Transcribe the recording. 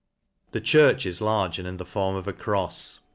297; The church is large, and in form of a crofs.